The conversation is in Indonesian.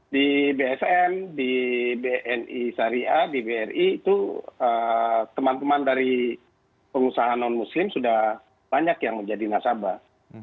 di bsn di bni syariah di bri itu teman teman dari pengusaha non muslim sudah banyak yang menjadi nasabah